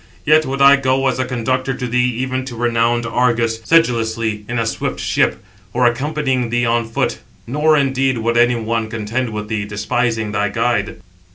Yet would I go as a conductor to thee even to renowned Argos, sedulously, in a swift ship, or accompanying thee on foot; nor, indeed, would any one contend with thee, despising thy guide."